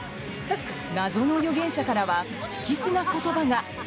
謎の預言者からは不吉な言葉が。